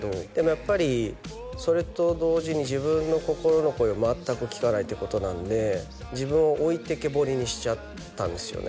やっぱりそれと同時に自分の心の声を全く聞かないってことなんで自分を置いてけぼりにしちゃったんですよね